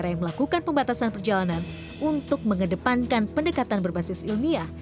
yang melakukan pembatasan perjalanan untuk mengedepankan pendekatan berbasis ilmiah